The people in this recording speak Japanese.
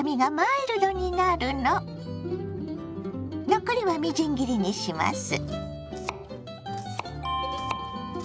残りはみじん切りにします。